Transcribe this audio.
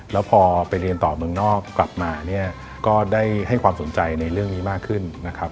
แล้วพอไปเรียนต่อเมืองนอกกลับมาเนี่ยก็ได้ให้ความสนใจในเรื่องนี้มากขึ้นนะครับ